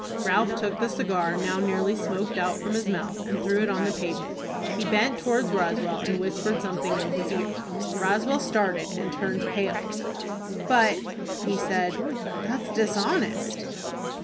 Ralph took the cigar, now nearly smoked out, from his mouth, and threw it on the pavement. He bent towards Roswell, and whispered something in his ear. Roswell started and turned pale. "But," he said, "that's dishonest."